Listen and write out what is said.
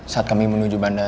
saat kami menuju bandara